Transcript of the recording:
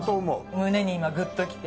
胸に今グッと来て。